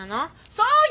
そうよ！